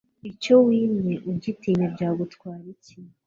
icyo wimwe ugitinye byagutwara iki